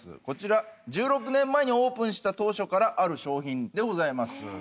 こちら１６年前にオープンした当初からある商品でございます。